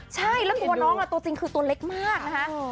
ใช่แล้วตัวน้องล่ะตัวจริงคือตัวเล็กมากนะคะ